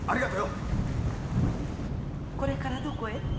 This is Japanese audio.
これからどこへ？